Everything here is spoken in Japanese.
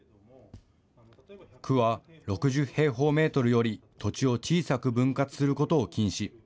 区は６０平方メートルより土地を小さく分割することを禁止。